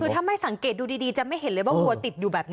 คือถ้าไม่สังเกตดูดีจะไม่เห็นเลยว่าวัวติดอยู่แบบนี้